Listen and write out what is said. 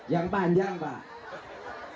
yang panjang pak